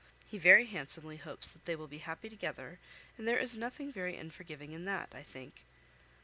He very handsomely hopes they will be happy together; and there is nothing very unforgiving in that, I think."